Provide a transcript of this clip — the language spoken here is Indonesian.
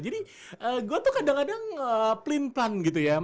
jadi gue tuh kadang kadang pelintang gitu ya